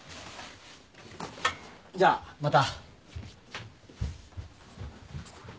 じゃあまた。